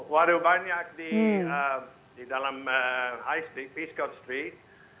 waduh banyak di dalam high street peace court street